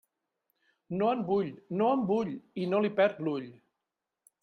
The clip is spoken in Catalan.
No en vull, no en vull, i no li perd l'ull.